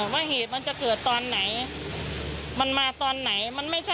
ว่าเหตุมันจะเกิดตอนไหนมันมาตอนไหน